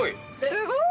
すごーい！